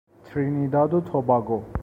ترینیداد و توباگو